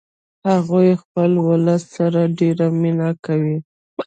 هغوی خپل ولس سره ډیره مینه کوي